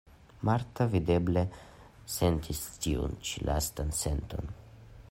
Marta videble sentis tiun ĉi lastan senton.